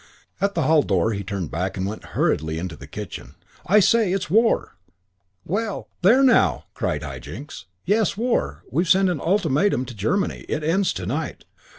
At the hall door he turned back and went hurriedly into the kitchen. "I say, it's war!" "Well, there now!" cried High Jinks. "Yes, war. We've sent an ultimatum to Germany. It ends to night."